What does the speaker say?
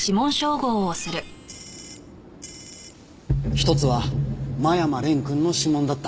１つは間山蓮くんの指紋だった。